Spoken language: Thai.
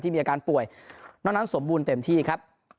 มีอาการป่วยนอกนั้นสมบูรณ์เต็มที่ครับ